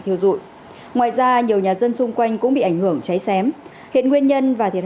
thiêu dụi ngoài ra nhiều nhà dân xung quanh cũng bị ảnh hưởng cháy xém hiện nguyên nhân và thiệt